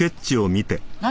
何？